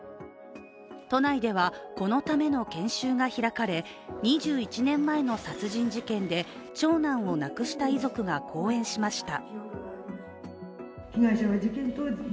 都内ではこのための研修が開かれ２１年前の殺人事件で長男を亡くした遺族が講演しました。